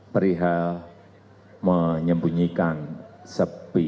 perihal menyembunyikan sepi